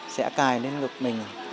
sẽ cài lên ngực mình